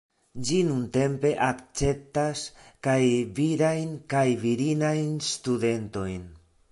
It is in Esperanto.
Ĝi nuntempe akceptas kaj virajn kaj virinajn studentojn.